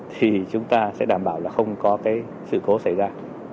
thì chúng ta sẽ đảm bảo là không có cái sự cố xảy ra